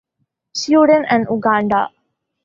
Sudan, and Uganda.